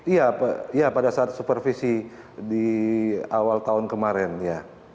iya pada saat supervisi di awal tahun kemarin ya